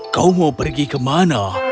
kau mau pergi kemana